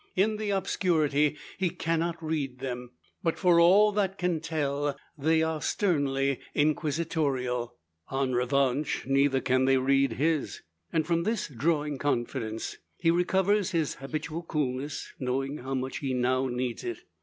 In the obscurity he cannot read them, but for all that can tell they are sternly inquisitorial. En revanche, neither can they read his; and, from this drawing confidence, he recovers his habitual coolness knowing how much he now needs it.